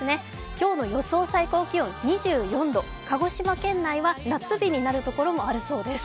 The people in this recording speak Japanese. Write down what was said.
今日の予想最高気温２４度、鹿児島県内は夏日になるところもあるそうです。